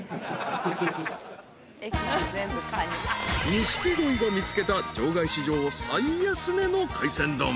［錦鯉が見つけた場外市場最安値の海鮮丼］